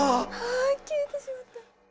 あ消えてしまった。